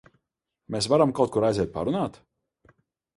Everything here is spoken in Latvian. Mēs varam kaut kur aiziet parunāt?